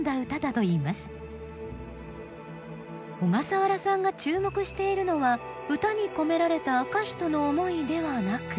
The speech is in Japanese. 小笠原さんが注目しているのは歌に込められた赤人の思いではなく。